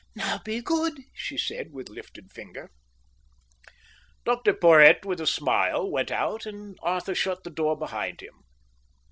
"Now, be good," she said, with lifted finger. Dr Porhoët with a smile went out, and Arthur shut the door behind him.